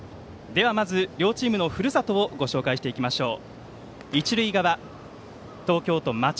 ではまず、両チームのふるさとをご紹介していきましょう。